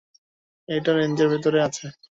এটা রেঞ্জের ভিতরে আছে।